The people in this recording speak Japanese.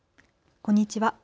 こんにちは。